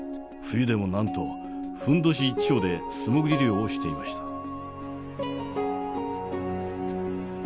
冬でもなんとふんどし一丁で素潜り漁をしていました。